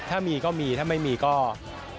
ถ้ามีก็มีถ้าไม่มีก็ไม่ได้แบบ